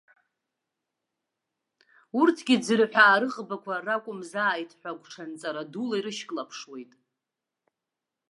Урҭгьы ӡырҳәаа рыӷбақәа ракәымзааит ҳәа гәҽанҵара дула ирышьклаԥшуеит.